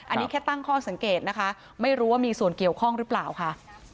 อันนี้แค่ตั้งข้อสังเกตนะคะไม่รู้ว่ามีส่วนเกี่ยวข้องหรือเปล่าค่ะ